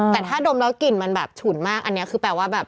แต่ถ้าดมแล้วกลิ่นมันแบบฉุนมากอันนี้คือแปลว่าแบบ